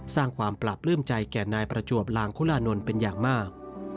สร้างความปราบปลื้มใจแก่นายประจวบลางคุลานนท์เป็นอย่างมาก